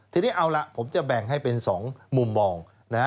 ทีนี้เอาล่ะผมจะแบ่งให้เป็น๒มุมมอง